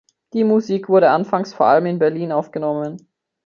Die Musik wurde anfangs vor allem in Berlin aufgenommen.